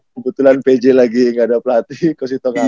kebetulan pj lagi ga ada pelatih kocito ga ada